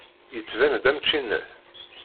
Yettban-d am tčinat.